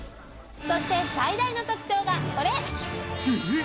そして最大の特長がこれ！